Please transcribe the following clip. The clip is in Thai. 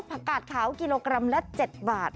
กาดขาวกิโลกรัมละ๗บาท